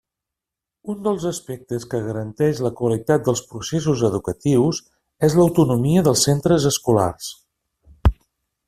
Un dels aspectes que garanteix la qualitat dels processos educatius és l'autonomia dels centres escolars.